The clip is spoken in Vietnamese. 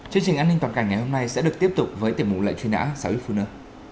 chương trình an ninh toàn cảnh ngày hôm nay sẽ được tiếp tục với tiệm mục lệnh truy nã sáu yếu phụ nữ